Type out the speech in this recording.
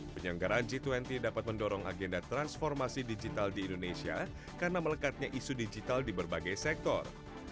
penyelenggaraan g dua puluh dapat mendorong agenda transformasi digital di indonesia karena melekatnya isu digital di berbagai sektor